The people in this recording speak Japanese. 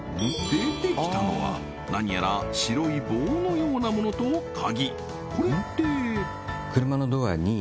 出てきたのは何やら白い棒のようなものと鍵